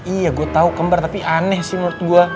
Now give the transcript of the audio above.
iya gue tahu kembar tapi aneh sih menurut gue